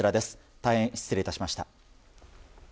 大変失礼いたしました。